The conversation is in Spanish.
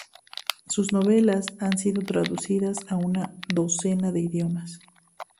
Sus novelas han sido traducidas a una docena de idiomas.